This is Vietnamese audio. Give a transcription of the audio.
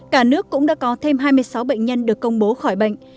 cả nước cũng đã có thêm hai mươi sáu bệnh nhân được công bố khỏi bệnh